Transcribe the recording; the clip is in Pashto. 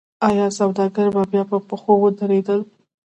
آیا سوداګر بیا په پښو ودرېدل؟